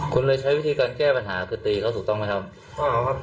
คุณเลยใช้วิธีการแก้ปัญหาคือตีเขาถูกต้องไหมครับอ๋อครับ